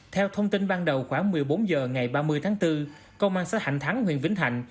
theo thông tin ban đầu khoảng một mươi bốn h ngày ba mươi tháng bốn công an xã hạnh thắng huyện vĩnh thạnh